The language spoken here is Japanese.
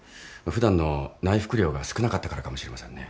普段の内服量が少なかったからかもしれませんね。